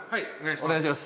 お願いします。